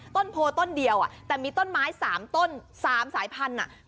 ต้นโพต้นเดียวแต่มีต้นไม้๓สายพันธุ์